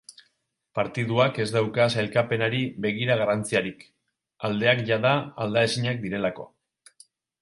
Partiduak ez dauka sailkapenari begira garrantziarik, aldeak jada aldaezinak direlako.